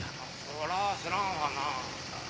そら知らんわな。